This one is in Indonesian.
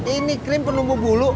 ini krim penumbu bulu